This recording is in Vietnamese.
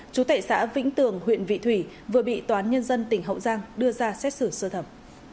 chú tệ xã vĩnh tường huyện vị thủy vừa bị toán nhân dân tỉnh hậu giang đưa ra xét xử sơ thẩm